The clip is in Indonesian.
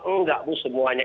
enggak bu semuanya